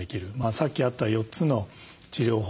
さっきあった４つの治療法